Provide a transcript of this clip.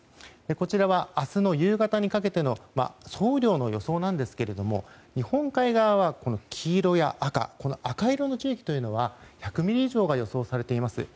こちらは明日の夕方にかけての総雨量の予想ですが日本海側は黄色や赤赤色の地域というのは１００ミリ以上が予想されています。